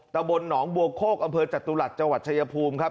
ตะบนหนองบัวโคกอำเภอจตุรัสจังหวัดชายภูมิครับ